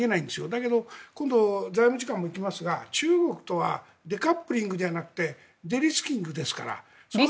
だけど今後財務次官も行きますが中国とはデカップリングじゃなくてデリスキングですから。